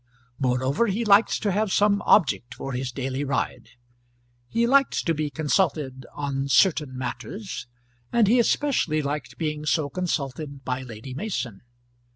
Moreover, he liked to have some object for his daily ride; he liked to be consulted "on certain matters;" and he especially liked being so consulted by Lady Mason.